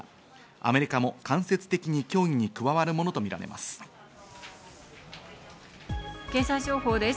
アメリカも間接的に協議に加わるものとみられます。